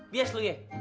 bias lu ya